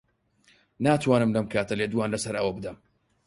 ناتوانم لەم کاتە لێدوان لەسەر ئەوە بدەم.